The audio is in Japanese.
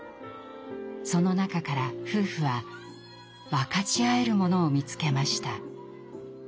その中から夫婦は分かち合えるものを見つけました。